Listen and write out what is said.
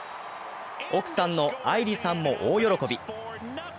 奥さんの愛理さんも大喜び。